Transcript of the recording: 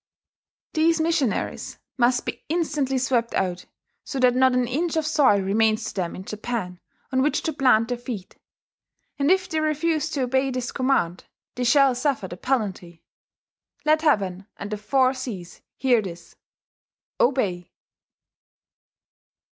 ] "These [missionaries] must be instantly swept out, so that not an inch of soil remains to them in Japan on which to plant their feet; and if they refuse to obey this command, they shall suffer the penalty.... Let Heaven and the Four Seas hear this. Obey!"